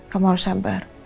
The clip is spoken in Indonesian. kamu harus sabar